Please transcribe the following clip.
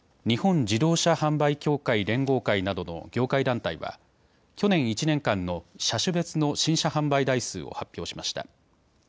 日本自動車販売協会連合会などの業界団体は去年１年間の車種別の新車販売台数を発表しました。